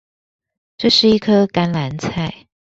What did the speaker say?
這是一顆甘藍菜